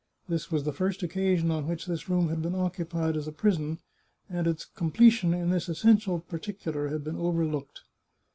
This was the first occasion on which this room had been occupied as a prison, and its com pletion in this essential particular had been overlooked.